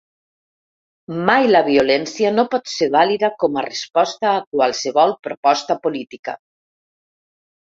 Mai la violència no pot ser vàlida com a resposta a qualsevol proposta política.